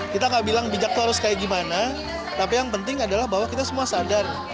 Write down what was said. kita gak bilang bijak itu harus kayak gimana tapi yang penting adalah bahwa kita semua sadar